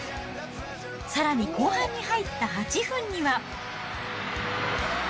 さらに後半に入った８分には。